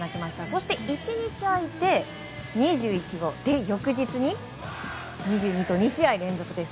そして、１日空いて２１号で翌日に２２と２試合連続です。